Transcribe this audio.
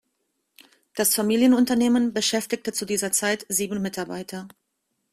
Das Familienunternehmen beschäftigte zu dieser Zeit sieben Mitarbeiter.